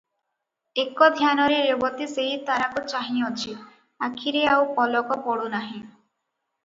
ଏକ ଧ୍ୟାନରେ ରେବତୀ ସେହି ତାରାକୁ ଚାହିଁଅଛି, ଆଖିରେ ଆଉ ପଲକ ପଡ଼ୁ ନାହିଁ ।